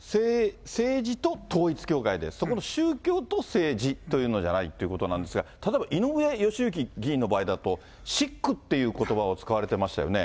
政治と統一教会で、そこの宗教と政治というのじゃないということなんですが、例えば井上義行議員のことだと、しっくっていうことばを使われてましたよね。